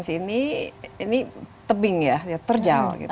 ini tebing ya terjal